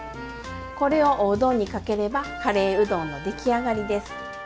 これをおうどんにかければカレーうどんの出来上がりです。